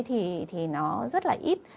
thì nó rất là ít